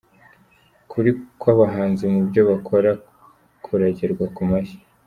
Ukuri kw’abahanzi mu byo bakora kuragerwa ku mashyi.